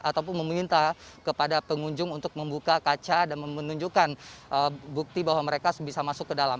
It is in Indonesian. ataupun meminta kepada pengunjung untuk membuka kaca dan menunjukkan bukti bahwa mereka bisa masuk ke dalam